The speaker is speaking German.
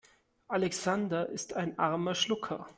Alexander ist ein armer Schlucker.